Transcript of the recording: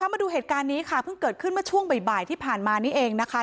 มาดูเหตุการณ์นี้ค่ะเพิ่งเกิดขึ้นเมื่อช่วงบ่ายที่ผ่านมานี่เองนะคะ